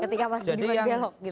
ketika mas budiman belok gitu